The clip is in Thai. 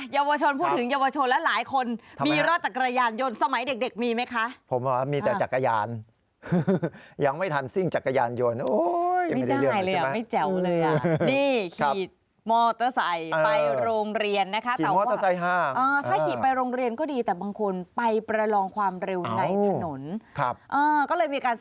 เยาวชนพูดถึงเยาวชนแล้วหลายคนมีรอดจักรยานยนตร์